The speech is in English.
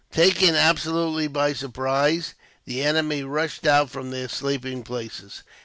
Taken absolutely by surprise, the enemy rushed out from their sleeping places.